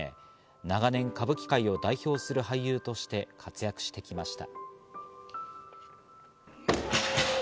長年、歌舞伎界を代表する俳優として活躍してきました。